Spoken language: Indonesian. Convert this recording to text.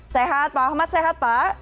sehat pak ahmad sehat pak